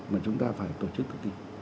mà chúng ta phải tổ chức thử tìm